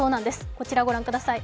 こちら、ご覧ください。